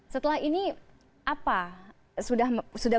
setelah ini apa sudah